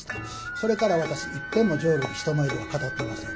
それから私いっぺんも浄瑠璃人前では語ってません。